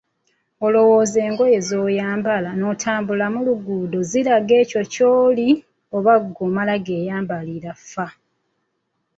Olowooza engoye z‘oyambala n‘otambula mu luguudo ziraga ekyo ky‘oli oba ggwe omala geyambalira faa?